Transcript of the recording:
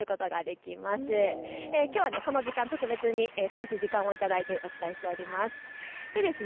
きょうはこの時間、特別に少し時間をいただいてお伝えをしております。